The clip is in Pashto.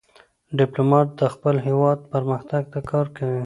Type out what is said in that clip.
ډيپلومات د خپل هېواد پرمختګ ته کار کوي.